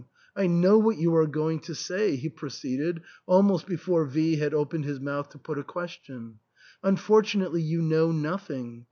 I know what you are going to say," he proceeded almost before V had opened his mouth to put a question. " Un fortunately you know nothing.